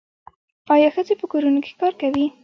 آیا ښځې په کورونو کې کار کوي؟